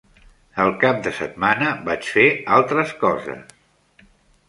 El cap de setmana vaig fer altres coses.